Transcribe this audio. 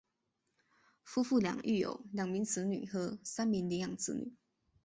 夫妇俩育有两名子女和三名领养子女。